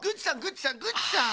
グッチさん